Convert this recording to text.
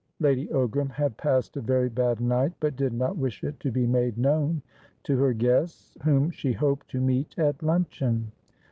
Lady Ogram had passed a very bad night, but did not wish it to be made known to her guests, whom she hoped to meet at luncheon.